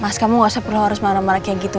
mas kamu gak usah perlu harus marah marah kayak gitu